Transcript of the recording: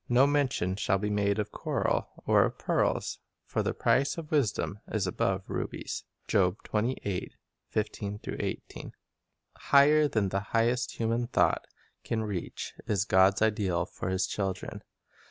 No mention shall be made of coral, or of pearls; For the price of wisdom is above rubies." ' Higher than the highest human thought can reach Tbe is God's ideal for His children.